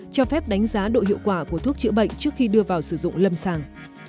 cho phép đánh giá độ hiệu quả của thuốc chữa bệnh trước khi đưa vào sử dụng lâm sàng